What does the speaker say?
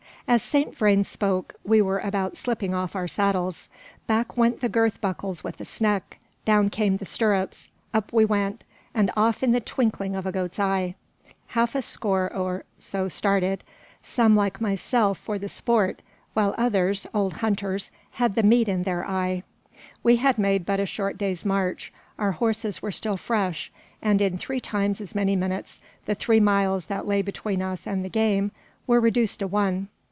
As Saint Vrain spoke, we were about slipping off our saddles. Back went the girth buckles with a sneck, down came the stirrups, up went we, and off in the "twinkling of a goat's eye." Half a score or so started; some, like myself, for the sport; while others, old hunters, had the "meat" in their eye. We had made but a short day's march; our horses were still fresh, and in three times as many minutes, the three miles that lay between us and the game were reduced to one.